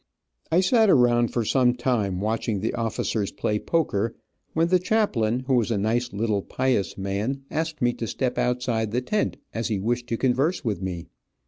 I sat around for some time watching the officers play poker, when the chaplain, who was a nice little pious man, asked me to step outside the tent, as he wished to converse with me.